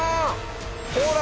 ほら！